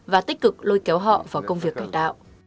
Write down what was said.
và tích cực lôi kéo họ vào công việc cải tạo